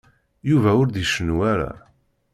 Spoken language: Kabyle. Yuba ur d-icennu ara.